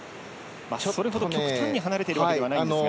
それほど極端に離れているわけではないんですが。